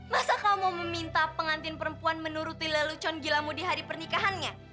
masa kamu meminta pengantin perempuan menuruti lelucon gilamu di hari pernikahannya